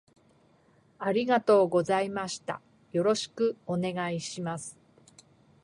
ありがとうございましたよろしくお願いします